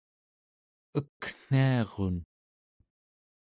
ekniarun